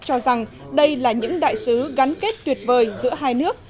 cho rằng đây là những đại sứ gắn kết tuyệt vời giữa hai nước